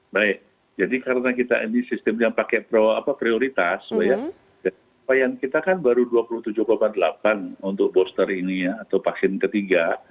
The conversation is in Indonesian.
baik jadi karena kita ini sistemnya pakai prioritas kita kan baru dua puluh tujuh delapan untuk booster ini ya atau vaksin ketiga